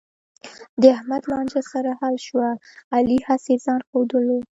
د احمد لانجه سره حل شوه، علي هسې ځآن ښودلو.